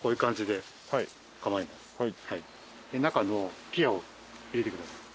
で中の吹き矢を入れてください。